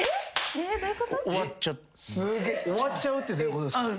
終わっちゃうってどういうことですか？